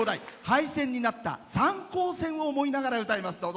廃線になった三江線を思いながら歌います。